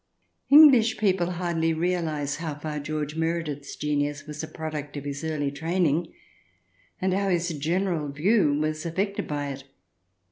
English people hardly realize how far George Meredith's genius was a product of his early training, and how his general view was affected by it.